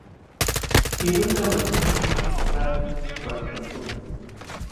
Qiluta wantulmi tuśhupaakun Shawshakuna.